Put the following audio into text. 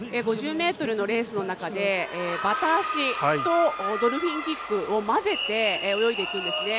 ５０ｍのレースの中でバタ足とドルフィンキックを混ぜて泳いでいくんですね。